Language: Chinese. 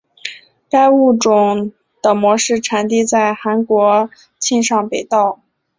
该物种的模式产地在韩国庆尚北道。